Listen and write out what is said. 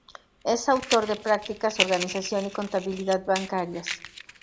Es autor de Prácticas, organización y contabilidad bancarias.